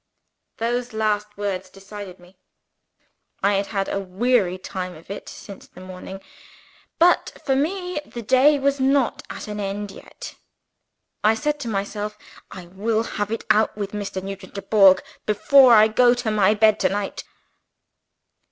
Those last words decided me. I had had a weary time of it since the morning; but (for me) the day was not at an end yet. I said to myself, "I will have it out with Mr. Nugent Dubourg, before I go to my bed to night!"